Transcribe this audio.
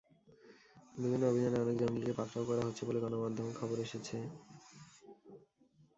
বিভিন্ন অভিযানে অনেক জঙ্গিকে পাকড়াও করা হচ্ছে বলেও গণমাধ্যমে খবর এসেছে।